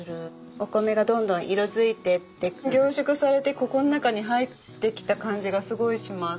お米がどんどん色づいて行って凝縮されてここの中に入って来た感じがすごいします。